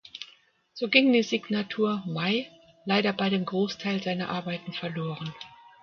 So ging die Signatur (Mei) leider bei dem Großteil seiner Arbeiten verloren.